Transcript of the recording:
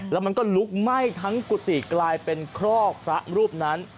แล้วมันก็ลุกไหม้ทั้งกุฏิกลายเป็นครอกพระรูปนั้น